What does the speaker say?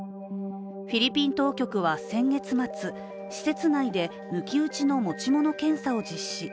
フィリピン当局は先月末施設内で抜き打ちの持ち物検査を実施。